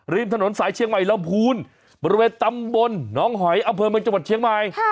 ริมถนนสายเชียงใหม่ลำพูนบริเวณตำบลน้องหอยอำเภอเมืองจังหวัดเชียงใหม่